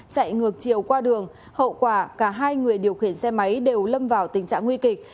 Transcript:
chạy ngược chiều qua đường hậu quả cả hai người điều khiển xe máy đều lâm vào tình trạng nguy kịch